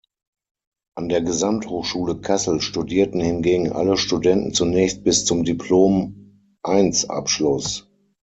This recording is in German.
An der Gesamthochschule Kassel studierten hingegen alle Studenten zunächst bis zum Diplom I-Abschluss.